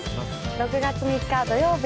６月３日土曜日